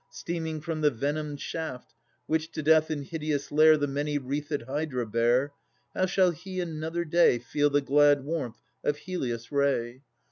Steaming from the venomed shaft, Which to Death in hideous lair The many wreathed Hydra bare, How shall he another day Feel the glad warmth of Helios' ray?